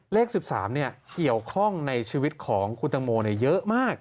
เลข๑๓เกี่ยวข้องในชีวิตของคุณตังโมเยอะมาก